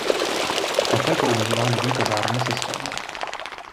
Také používá nový požární systém.